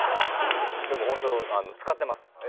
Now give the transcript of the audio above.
でもホント使ってます。